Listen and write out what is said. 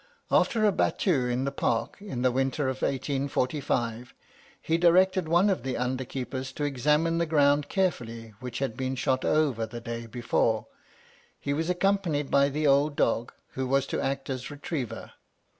After a battue in the Park in the winter of 1845, he directed one of the under keepers to examine the ground carefully, which had been shot over the day before. He was accompanied by the old dog, who was to act as retriever.